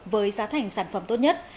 với giá thành sản phẩm tốt nhất